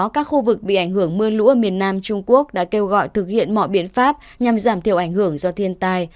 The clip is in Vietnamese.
các khu vực bị ảnh hưởng mưa lũ ở miền nam trung quốc đã kêu gọi thực hiện mọi biện pháp nhằm giảm thiểu ảnh hưởng do thiên tai